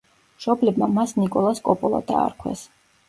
მშობლებმა მას ნიკოლას კოპოლა დაარქვეს.